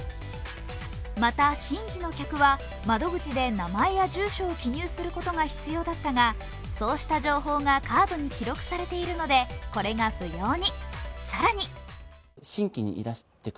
また、新規の客は窓口で名前や住所を記入することが必要だったが、そうした情報がカードに記録されているので、これが不要に。